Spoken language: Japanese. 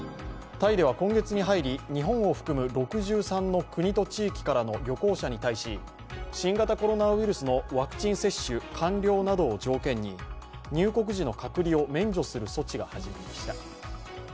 タイでは今月に入り日本を含む６３の国と地域からの旅行者に対し新型コロナウイルスのワクチン接種完了などを条件に入国時の隔離を免除する措置が始まりました。